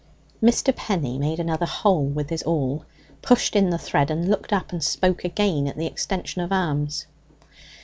Mr. Penny made another hole with his awl, pushed in the thread, and looked up and spoke again at the extension of arms.